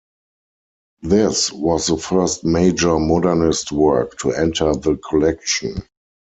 This was the first major modernist work to enter the collection.